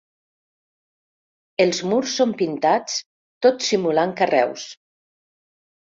Els murs són pintats tot simulant carreus.